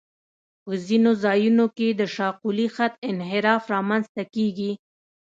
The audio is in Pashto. په ځینو ځایونو کې د شاقولي خط انحراف رامنځته کیږي